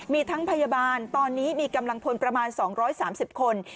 มีทั้งพยาบาลตอนนี้มีกำลังพลประมาณ๒๓๐คน